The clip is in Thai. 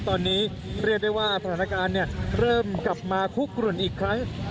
ตอนนี้เรียกได้ว่าสถานการณ์เริ่มกลับมาคุกกลุ่นอีกครั้ง